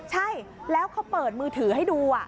ใช่แล้วเขาเปิดมือถือให้ดู